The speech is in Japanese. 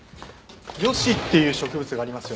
ヨシっていう植物がありますよね。